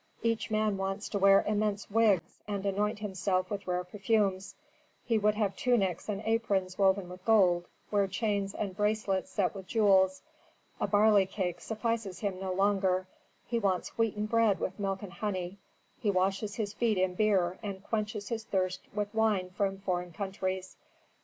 Each man wants to wear immense wigs, and anoint himself with rare perfumes; he would have tunics and aprons woven with gold, wear chains and bracelets set with jewels. A barley cake suffices him no longer: he wants wheaten bread with milk and honey; he washes his feet in beer and quenches his thirst with wine from foreign countries.